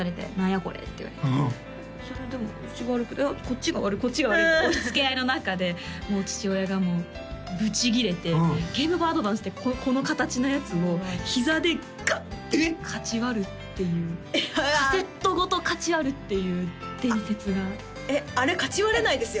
これって言われてそれでもいやこっちが悪いこっちが悪いって押しつけ合いの中でもう父親がぶちギレてゲームボーイアドバンスってこの形のやつをひざでガン！ってかち割るっていうカセットごとかち割るっていう伝説がえっあれかち割れないですよ